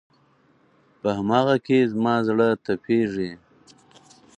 په هم هغه کې زما زړه تپېږي